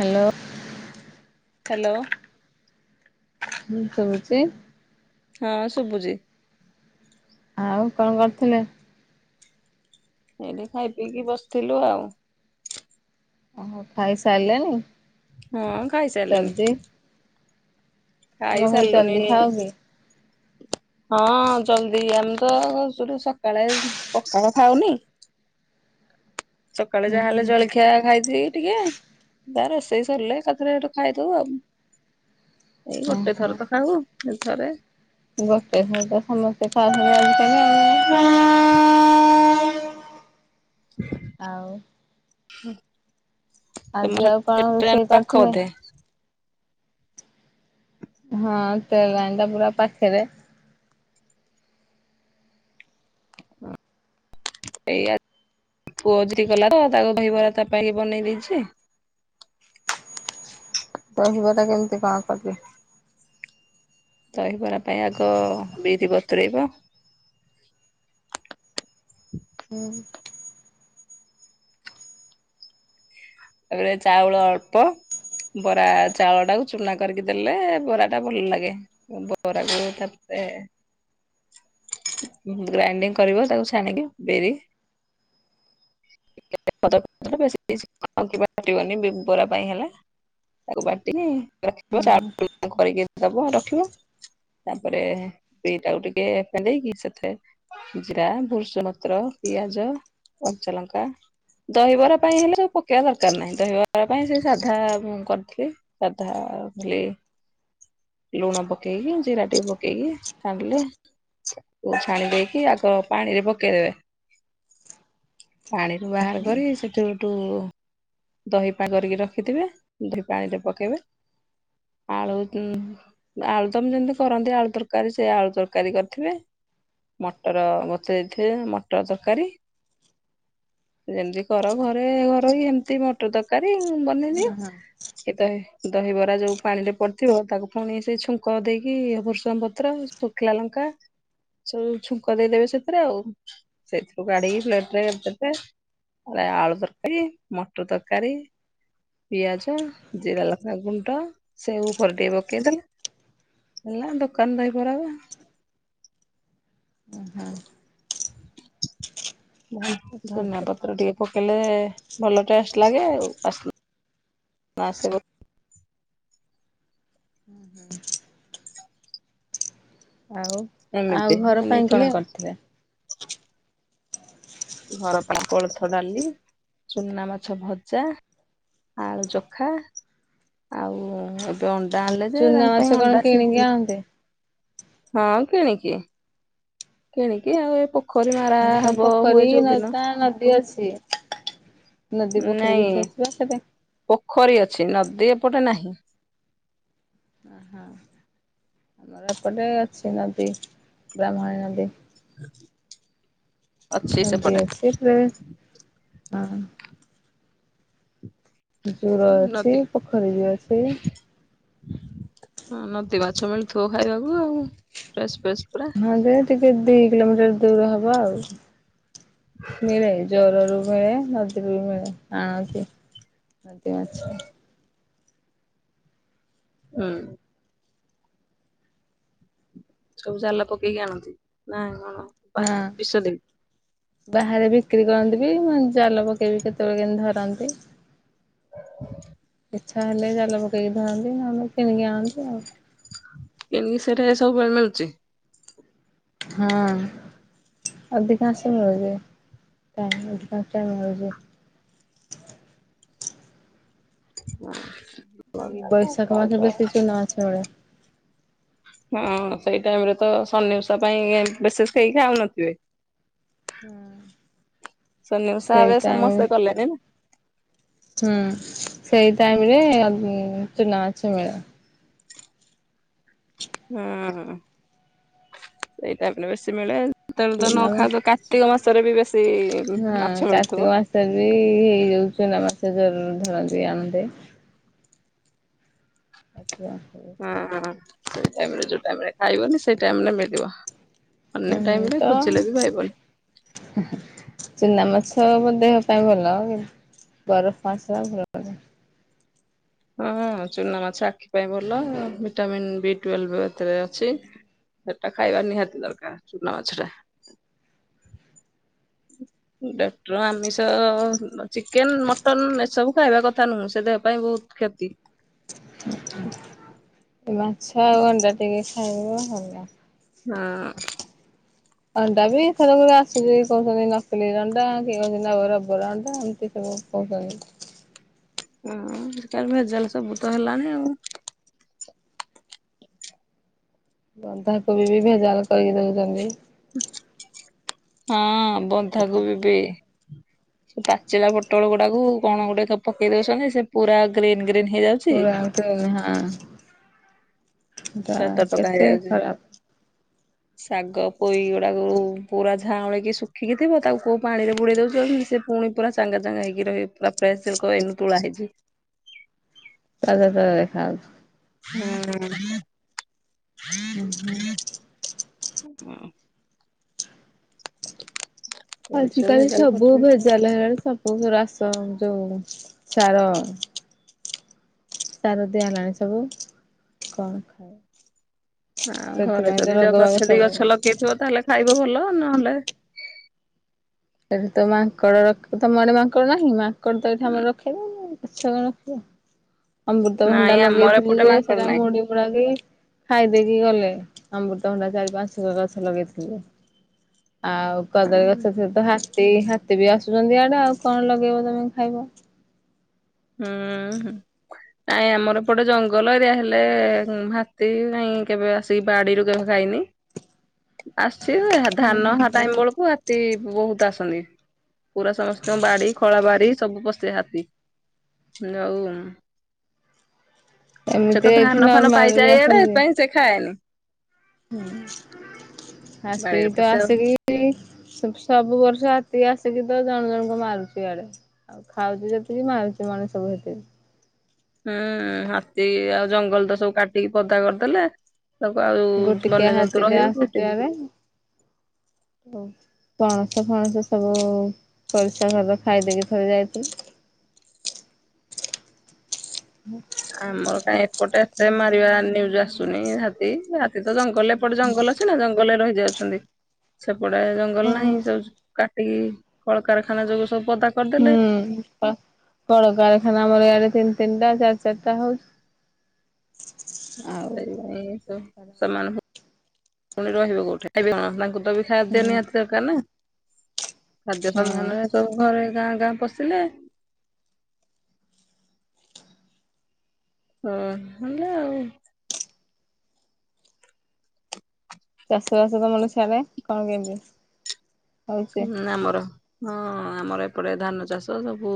Hello. Hello. ମୁଁ କହୁଚି। ହଁ ଶୁଭୁଛି। ଆଉ କଣ କରୁଥିଲେ? ଏଇଠି ଖାଇ ପିଇକି ବସିଥିଲୁ ଆଉ। ଓହୋ ଖାଇସାରିଲେଣିି? ହଁ ଖାଇସାରିଲୁନି। ତୁମେ ଘରେ ଖାଇସାରିଲୁଣି ଜଲଦି ଖାଅ କି? ହଁ ଜଲଦି ଆମେ ତ ସୁର ସକାଳେ ପଖାଳ ଖାଉନି। ସକାଳେ ହୁଁ ଯାହେଲେ ହୁଁ ଜଳଖିଆ ଖାଇଦେଇ ଟିକେ। ବା ରୋଷେଇ ସରିଲେ ଏକାଥରେ ଏଠୁ ଖାଇ ଦଉ ଆଉ। ଏଇ ଗୋଟେ ଥର ତ ଖାଉ ସେଇ ଥରେ। ଗୋଟେ ଥର ତ ସମସ୍ତେ ଖା [unintelligible] ଆଉ ଆଜି ତମର ଆଉ କଣ ରୋଷେଇ କରିଥିଲେ? [unintelligible] ହଁ ଟ୍ରେନ ଲାଇନ୍ ଟା ପୁରା ପାଖେରେ। [unintelligible] ବନେଇ ଦେଇଛି। ଦହି ବରା କେମିତି କଣ କରିବି? ଦହିବରା ପାଇଁ ଆଗ ବିରି ବତୁରେଇବ। ହୁଁ। ତାପରେ ଚାଉଳ ଅଳ୍ପ ବରା ଚାଉଳ ଟାକୁ ଚୁନା କରିକି ଦେଲେ ବରା ଟା ଭଲ ଲାଗେ। ବରାକୁ ତାପେ ଗ୍ରାଇଣ୍ଡିଙ୍ଗ କରିବ ତାକୁ ଛାଣିକି ବିରି [unintelligible] ବରା ପାଇଁ ହେଲେ। ତାକୁ ବାଟିକି ହୁଁ [unintelligible] କରିକି ଦବ ରଖିବ। ତାପରେ ବିରିଟାକୁ ଟିକେ [unintelligible] ସେଥେରେ ଜିରା ଭୃଷଙ୍ଗ ପତ୍ର ପିଆଜ କଞ୍ଚା ଲଙ୍କା ଦହିବରା ପାଇଁ ହେଲେ ପ କେଇବା ଦରକାର ନାହିଁ ଦହିବରା ପାଇଁ ସବୁ ସାଧା ମୁଁ କରିଥିଲି ସାଧା ଭଲ ଲାଗେ। ଲୁଣ ପକେଇକି ଜିରା ଟିକେ ପକେଇକି ଛାଣିଲେ। ଛାଣି ଦେଇକି ଆଗ ପାଣି ରେ ପକେଇଦେବେ ପାଣିରୁ ବାହାର କରି ସେଠୁ ହେଟୁ ଦହି ପା କରିକି ରଖିଥିବେ ଦ୍ର ପାଣିରେ ପକେଇବେ ଆଳୁ [unintelligible] ଆଳୁ ତମ ଯେମିତି କରନ୍ତି ଆଳୁ ତରକାରୀ ସେ ଆଳୁ ତରକାରୀ କରିଥିବେ। ମଟର ବତୁରେଇ ଦେଇ ଥିବେ ମଟର ତରକାରୀ। ଯେମିତି କର ଘରେ ଘରୋଇ ଏମତି ଘ [unintelligible] ତରକାରୀ ବନେଇଦିଏ [unintelligible] ଦହି ଦହିବରା ଯୋଉ ପାଣି ରେ ପଡ଼ିଥିବ ତାକୁ ପୁଣି ସେ ଛୁଙ୍କ ଦେଇକି ବୃସଙ୍ଗ ପତ୍ର, ଶୁଖିଲା ଲଙ୍କା ସବୁ ଛୁଙ୍କ ଦେଇଦେବେ ସେଥିରେ ଆଉ ସେଥିରୁ କାଢିକି ପ୍ଲେଟରେ ଦେବେ। ଆରେ ଆଳୁ ତରକାରୀ, ମଟର ତରକାରୀ ପିଆଜ, ଜିରା ଲଙ୍କା ଗୁଣ୍ଡ ସେଉ ଉପରଟେଇବ [unintelligible] ହେଲା ଦୋକାନ ଦହିବରା ହବ। ଓ ହୋ! ଧନିଆ ପତ୍ର ଟିକେ ପକେଇଲେ ଭଲ ଟେଷ୍ଟ ଲାଗେ ଆଉ ଆସ ନା ଆସିବ ହୁଁ ହୁଁ। ଆଉ ଏମିତି ଆଉ ମୁଁ ଘର ପାଇଁ ନେଇଥିଲି କଣ ଆଉ କରିିଥିଲେ? ଘର ପାଇଁ କୋଳଥ ଡାଲି, ଚୁନା ମାଛ ଭଜା ଆଳୁ ଚଖା ଆଉ ଏବେ ଅଣ୍ଡା ଆଣିଲେ ଯେ ଚୁନା ତାଙ୍କ ମାଛ ପାଇଁ କଣ ଅଣ୍ଡା କିଣିକି ସିଝିନି ଆଣନ୍ତି? ହଁ କିଣିକି। କିଣିକି ଆଉ ଏ ପୋ ଏଠି ତ ପୋଖରୀ ନଦା ନଦୀ ଅଛି। ନଦୀ ପୋଖରୀ ନାଇଁ କିଛି ଆସିବା ସେଠି? ପୋଖରୀ ଅଛି ନଦୀ ଏପଟେ ନାହିଁ। ଓହୋ। ଆମ ଏପଟେ ଅଛି ନଦୀ ବ୍ରାହ୍ମଣୀ ନଦୀ। [inaudible] ଅଛି ନଦୀ ସେପଟେ ଅଛି ବି ହଁ। ଜୁର ଅଛି ନଦୀ। ପୋଖରୀ ବି ଅଛି। ହଁ ନଦୀ ମାଛ ମିଳୁଥିବ ଖାଇବାକୁ ଆଉ ଫ୍ରେଶ ଫ୍ରେଶ ପୁରା? ହଁ ଯେ ଟିକେ ଦିଇ କିଲୋମିଟର ଦୂର ହବ ଆଉ ମିଳେ ଜୋରରୁ ମିଳେ ନଦୀରୁ ବି ମିଳେ। ଆଣନ୍ତି ନଦୀ ମାଛ। ହୁଁ। ସବୁ ଜାଲ ପକେଇକି ଆଣନ୍ତି ନାଇଁ? ହଁ। ହଁ ବାହାରେ ବିକ୍ରି କରନ୍ତି ବି ମ ଜାଲ ପକେଇବି କେତେବେଳେ କେମତି ଧରନ୍ତି। ଇଚ୍ଛା ହେଲେ ଜାଲ ପକେଇକି ଧରନ୍ତି ନହେଲେ କିଣିକି ଆଣନ୍ତି ଆଉ। ଏଣିକି ସେରେ ସବୁବେଳେ ମିଳୁଛି? ହଁ। ଅଧିକାଂଶ ଇଏ [unintelligible] ମିଳୁଛି। [inaudible] ବୈଶାଖ ମାସେ ବେଶୀ ଚୁନା ମାଛ ମିଳେ। ହଁ ସେଇ ଟାଇମ ରେ ତ ସନିଓଷା ପାଇଁ ବିଶେଷ କେହି ଖାଉନଥିବେ। ସନିଓଷା ସେଇ ଏବେ ଟାଇମ ସମସ୍ତେ କଲେଣିି ନା? ହୁଁ ସେଇ ଟାଇମ ରେ ଅ ଚୁନା ମାଛ ମିଳେ। ହୁଁ ହୁଁ ସେଇଟାଇମ ରେ ବେଶୀ ମିଳେ ଯେତେବେଳେ ତ ନ ଚୁନା ମା ଖାଉଥିବ କା ର୍ତ୍ତିକ ମାସରେ ବି ବେଶୀ ହଁ ମାଛ ମିଳୁଥିବ। କାର୍ତ୍ତିକ ମାସ ବି ହେଇଯଉ ଚୁନା ମାଛ ଯୋରରୁ ଧରନ୍ତି ଆଣନ୍ତେ। ଆଛା। ହଁ ହଁ ସେଇ ଟାଇମରେ ଯୋଉ ଟାଇମରେ ଖାଇବନି ସେଇ ଟାଇମରେ ମିଳିବ। ଅନ୍ୟ ତ ଟାଇମରେ ଖୋଜିଲେ ବି ପାଇବନି। ଚୁନା ମାଛ ମ ଦେହ ପାଇଁ ଭଲ। ବରଫ୍ [unintelligible] [inaudible] ହଁ ଚୁନା ମାଛ ଆଖି ପାଇଁ ଭଲ। ଭିଟାମିନ୍ ବି ଟୁଏଲଭ୍ ଏଥିରେ ଅଛି। ସେଟା ଖାଇବା ନିହାତି ଦରକାର ଚୁନା ମାଛଟା। ଡକ୍ଟର ଆମିଷ ଚିକେନ୍ ମଟନ୍ ଏସବୁ ଖାଇବା କଥା ନୁହଁ? ସେ ଦେହ ପାଇଁ ବହୁତ କ୍ଷେତି। ହ [inaudible] ମାଛ, ଆଉ ଅଣ୍ଡା ଟିକେ ଖାଇବ ଭଲ। ହଁ ଅଣ୍ଡା ବି ଏଥର କୁ ଆସୁଚି କହୁଛନ୍ତି ନକଲି ଅଣ୍ଡା। କିଏ କହୁଛନ୍ତି ଆଉ ରବର ଅଣ୍ଡା ଏମିତି ସବୁ। କଉଁ କହିବ? ହୁଁ କାଲ ଭେଜାଲ୍ ସବୁତ ହେଲାଣି ଆଉ। ବନ୍ଧାକୋବି, ବି ଭେଜାଲ କରିକି ଦଉଚନ୍ତି। ହଁ ବନ୍ଧାକୋବି ବି। ପାଚିଲା ପୋଟଳ ଗୁଡାକୁ କଣ ଗୋଟେତ ପକେଇ ଦଉଛନ୍ତି ସେ ପୁରା ଗ୍ରୀନ୍ ଗ୍ରୀନ୍ ହେଇଯାଉଚ୍। ପୂରା ପୂରି ହାଁ ସେଟା ପୁରା ତଟକା କେତେ ହେଇଯାଉଛି ଖରାପ୍! [inaudible] ଶାଗ ପୋଇ ଗୁଡାକୁ ପୂରା ଝାଉଁଳିକି, ଶୁଖିକି ଥିବ। ତାକୁ କୋଉଁ ପାଣି ରେ ବୁଡେଇ ଦେଉଥିବ ସେ ପୁଣି ପୂରା ଚାଙ୍ଗା ଚାଙ୍ଗା ହେଇକି ରହିବ୍ ପୂରା ଫ୍ରେସ୍ ଲେକ ଏଇ ତୁଳା ହେଇଛି। ତାଜା ତାଜା ଦେଖା ହୋଉଚ୍। ହୁଁ। ଏମିତି ଆଜିକାଲି ଭେଜାଲ ସବୁ କରୁଛନ୍ତି। ଭେଜାଲ୍। ଥିଲା ବେଳକୁ ସବ୍ ପୂରା ଆସ ଯୋଉ‍ଁ ସାର ସାର ଦିଆହୋଲାଣି ସବୁ କଣ ଖଅ? ହଁ ଘରେ ଯଦି ଯଅ ବାଗ ଗଛ ଦେଇ ସବୁ ଗଛ ଲଗେଇଥିବ ତାହେଲେ ଖାଇବ ଭଲ ନହେଲେ ସେଠି ତ ମାଙ୍କଡ଼ର ତମଆଡ଼େ ମାଙ୍କଡ଼ ନାହିଁ? ମା ମାଙ୍କଡ଼ ତ ଏଇଠି ଆମର ରଖେଇ ଦୋଉନି ଗଛ କଣ ରଖିବ! ନାଇଁ ଅମୃତଭଣ୍ଡା ଆମର ଲଗେଇଥିଲି ଏପଟେ ଯେ ମାଙ୍କଡ ସେଟା ନାହିଁ। ମୁଡି ମୁଡାକି ଖାଇଦେଇକି ଗଲେ। ଅମୃତଭଣ୍ଡା ଚାରି- ପାଞ୍ଚ [unintelligible] ଗଛ ଲଗେଇଥିଲି। ଆଉ କଦଳୀ ଗଛ ସେତ ହାତୀ ହାତୀ ବି ଆସୁଛନ୍ତି ଆଡ଼େ। ଆଉ କଣ ଲଗେଇବ ତମେ ଖାଇବ? ହୁଁ ହୁଁ। ନାଇଁ ଆମର ଏପଟେ ଜଙ୍ଗଲ ଏରିଆ ହେଲେ ହାତୀ ନାଇଁ କେବେ ଆସ୍ ହାତୀ ବାଡିରୁ କେବେ ଖାଇନି ଆସଛି ଧାନ ହଁ ଟାଇମ୍ ବେଳକୁ। ହାତୀ ବହୁତ ଆସନ୍ତି। ପୁରା ସମସ୍ତଙ୍କ ବାଡି ଖଳା ବାଡି ସବୁ ପଶେ ହାତୀ। ଯୋଉ ସେ ଏମିତି ତ ଏଇଠି ଧାନ-ଫାନ ନର୍ମାଲ ବି ପାଇଯାଏ ଏଆଡେ ପାଇଁ ସେ ଖାଏନି। ହୁଁ ହାଁ ବାଡିରେ ସେଇ ତ ପଶେ ଆଉ ଆସି କିି ତି ସବ୍ ସବୁ ବର୍ଷ ହାତୀ ଆସିକି ତ ଜଣ ଜଣଙ୍କୁ ମାରୁଚି ଆଡ଼େ। ଆଉ ଖାଉଚି ଯେତିକି ମାରୁଚି, ମଣିଷକୁ ସେତିକି। ହୁଁ ହାତୀ ଆଉ ଜଙ୍ଗଲ ତ ସବୁ କାଟିକି ପଦା କରିଦେଲେ। ତାକୁ ଆଉ ଗୋଟିକିଆ ବନ୍ୟଜନ୍ତୁ ହାତୀଟେ ରହିବେ ଆସୁଛି କୋଉଁଠି? [inaudible] ପଣସ-ଫଣସ ସବୁ ପରିସା ଘରର ଖାଇଦେବେ। ଥରେ ଯାଇଥିଲି। ହୁଁ। ଆମର କାଇହିଁ ଏପଟେ ଏତେ ମାରିବା ନିଉଜ ଆସୁନି ହାଥୀ ସେ ତ ଜଙ୍ଗଲରେ ଏପଟେ ଜଙ୍ଗଲ ଅଛି ନା ଜଙ୍ଗଲରେ ରହିଯାଉଛନ୍ତି। ସେପଡା ଜଙ୍ଗଲ ନାହିଁ ସବୁ କାଟିକି କଳକାରଖାନା ଯୋଗୁ ସବୁ ପଦା କରିଦେଲେ ହୁଁ ପା-କାରାରଖାନା ଆମର ଇଆଡେ ତିନି ତିନିଟା ଚାରି ଚାରିଟା ହଉଚି। [unintelligible] ଖାଦ୍ୟ ନିହାତି ଦରକାର ନା ହୁଁ। ଖାଦ୍ୟ ହୁଁ ସନ୍ଧାନରେ ସବୁ ଘରେ ଗାଁ ଗାଁ ପଶିଲେ ହୁଁ ହେଲେ ଆଉ ଚାଷବାସ ତ ମର ସିଆରେ କଣ କେମିତି? ହଉଛି? ହୁଁ ଆମର ହଁ ଆମର ଏପଟେ ଧାନ ଚାଷ ସବୁ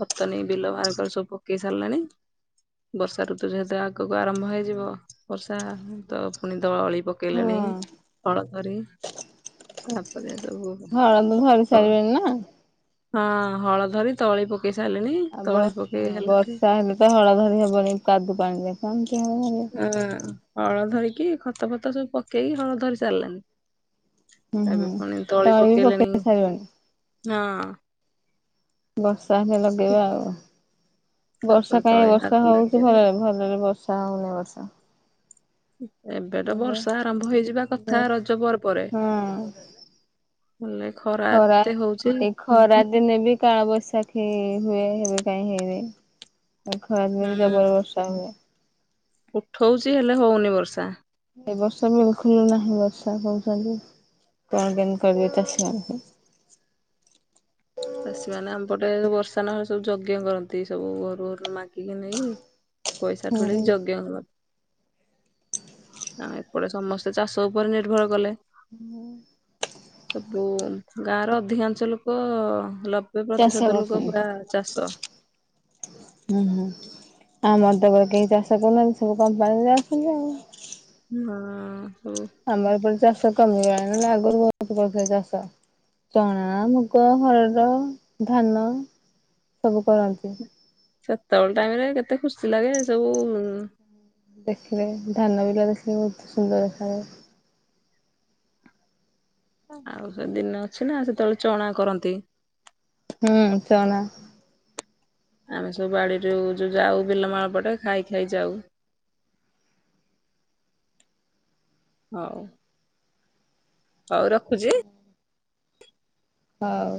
ଖତନୀ ବିଲ ବାହାର କରି ସବୁ ପକେଇ ସାରିଲାଣି? ବର୍ଷା ଋତୁ ଯେହେତୁ ଆଗକୁ ଆରମ୍ଭ ହେଇଯିବ ବର୍ଷା ଦ- ପୁଣି ଦ ଅଳି ହଁ ପକେଇଲେଣି ହଳ ଧରି ତାପରେ ସବୁ ଘରନ୍ତୁ ଧରି ତ ସାରିବେନି ନା? ହଁ ହଳ ଧରି ତଳି ପକେଇ ସାରିଲେଣିି ତଳି ପକେଇ ହେଲେ ଠୁ ଧରା ଧରି ହବନି କାଦୁ ପାଣିରେ [unintelligible] ହୁଁ ହଳ ଧରିକି ଖତ ଫତ ସବୁ ପକେଇକି ହଳ ଧରି ସାରିଲାନି। ହୁଁ ଏବେ ହୁଁ ପୁଣି ତଳି ବି ପକେଇଲେଣି ପକେଇ ସାରିବଣି ହଁ। ବର୍ଷା ହେ ଲଗେଇବା ଆଉ। ବର୍ଷା ତାପରେ କାହିଁ ତଳି ବର୍ଷା ହାତ ହଉଚି ଲାଗିବେ ଭଲରେ ଭଲରେ ବର୍ଷା ହଉନି ବର୍ଷା। ଏବେ ତ ବର୍ଷା ଆରମ୍ଭ ହେଇଯିବା କଥା ବର୍ଷ ରଜ ବର୍ ପରେ। ହଁ ହଲେ ଖରା ଏତେ ହଉଚି ଏଇ ଖରା ଦିନେ ବି କାଳ ବୈଶାଖୀ ହୁଏ ହେବେ କାହିଁ ହେଇନି। ଖରାଦ ବି ଜବର ବର୍ଷା ହୁଏ। ଉଠଉଚି ହେଲେ ହଉନି ବର୍ଷା। ଏ ବର୍ଷା ବିଲକୁଲ ନାହିଁ ବର୍ଷା କହୁଛନ୍ତି କଣ କେନ୍ କରିବି ଚାଷ ଚାଷୀମାନୋନ ଆମପଟେ ବର୍ଷା ନହେଲେ ସବୁ ଯଜ୍ଞ କରନ୍ତି ସବୁ ଘରୁ ଘରୁ ମାଗିକି ନେଇ ପଇସା ହୁଁ। ଠୁଳେଇ ଯଜ୍ଞ ହବ। ନା ଏପଟେ ସମସ୍ତେ ଚାଷ ଉପରେ ନିର୍ଭର କଲେ ହୁଁ। ସବୁ ଗାଁ ର ଅଧିକାଂଶ ଲୋକ ଲ ବେ ଚାଷ ପ୍ରତିଶତ ଲୋକ କରୁଛନ୍ତି ପୁରା ଚାଷ। ହୁଁ ହୁଁ ଆମର୍ଦବରେ କେହି ଚାଷ କରୁନାହାନ୍ତି ସବୁ କମ୍ପାନୀରେ ଅଛନ୍ତି ଆଉ। ହୁଁ ହଉ। ଆମର ଉପ ଚାଷ କମିଗଲାଣି ନହେଲେ ଆଗୁରୁ ବହୁତୁ କରୁଥିଲେ ଚାଷ। ଚଣା, ମୁଗ, ହରଡ଼, ଧାନ ସବୁ କରନ୍ତି। ସେତେବେଳେ ଟାଇମ୍ ରେ କେତେ ଖୁସି ଲାଗେ ସବୁ ଦେଖିଲେ ଧାନ ବିଲ ଦେଖିଲେ ବହୁତ୍ ସୁନ୍ଦର ଦେଖାଯାଏ। ଆଉ ସେଦିନ ଅଛି ନା ସେତେବେଳେ ଚଣା କରନ୍ତି। ହୁଁ ଚଣା। ଆମେ ସବୁ ବାଡ଼ିରୁ ଯଉ ଯାଉ ବିଲମାଳ ପଟେ ଖାଇ ଖାଇ ଯାଉ। ହଉ। ହଉ ରଖୁଚି। ହଉ।